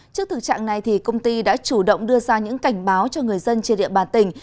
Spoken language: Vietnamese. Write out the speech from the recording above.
trước thực trạng này công ty đã chủ động đưa ra những cảnh báo cho người dân trên địa bàn tỉnh